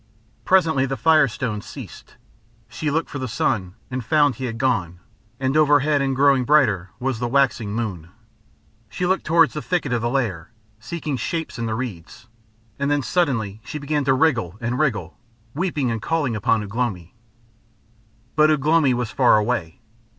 Presently the firestone ceased. She looked for the sun and found he had gone, and overhead and growing brighter was the waxing moon. She looked towards the thicket of the lair, seeking shapes in the reeds, and then suddenly she began to wriggle and wriggle, weeping and calling upon Ugh lomi. But Ugh lomi was far away.